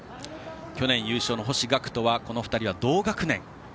去年優勝の星岳とはこの２人は同学年。